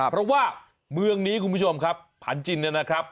เพราะว่าเมืองนี้คุณผู้ชมครับผันจินเนี่ยนะครับ